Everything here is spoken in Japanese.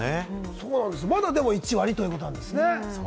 まだ１割ということなんですね。